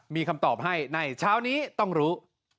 มีคำตอบให้ในเช้านี้ต้องรู้